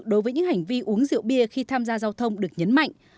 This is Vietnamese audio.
đối với những hành vi uống rượu bia khi tham gia giao thông được nhấn mạnh